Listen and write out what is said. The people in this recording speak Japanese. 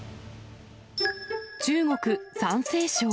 中国・山西省。